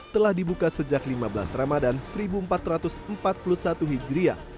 telah dibuka sejak lima belas ramadan seribu empat ratus empat puluh satu hijriah